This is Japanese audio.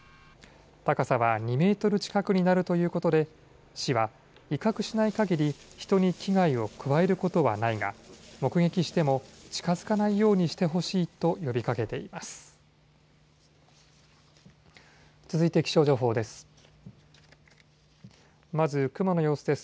高さは２メートル近くになるということで市は威嚇しないかぎり、人に危害を加えることはないが目撃しても近づかないようにしてほしいと呼びかけています。